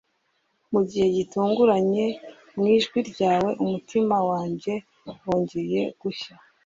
mugihe gitunguranye, mwijwi ryawe, umutima wanjye wongeye gushya